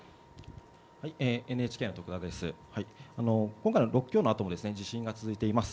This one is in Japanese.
今回の６強のあとも地震が続いています。